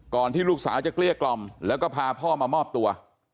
ที่ลูกสาวจะเกลี้ยกล่อมแล้วก็พาพ่อมามอบตัว